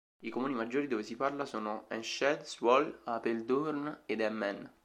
I comuni maggiori dove si parla sono Enschede, Zwolle, Apeldoorn ed Emmen.